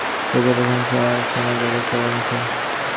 বিশেষ করে সকার স্কুলের চার কোচের প্রশংসা শোনা গেল সবার মুখে।